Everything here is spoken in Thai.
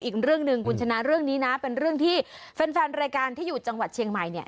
อีกเรื่องหนึ่งคุณชนะเรื่องนี้นะเป็นเรื่องที่แฟนแฟนรายการที่อยู่จังหวัดเชียงใหม่เนี่ย